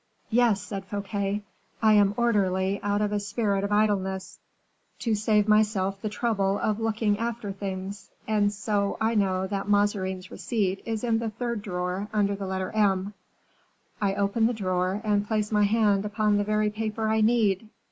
"Yes," said Fouquet, "I am orderly out of a spirit of idleness, to save myself the trouble of looking after things, and so I know that Mazarin's receipt is in the third drawer under the letter M; I open the drawer, and place my hand upon the very paper I need.